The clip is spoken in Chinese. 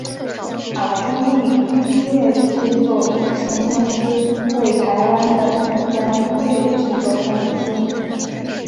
好钟意音乐制作有限公司为台湾的一家音乐制作公司。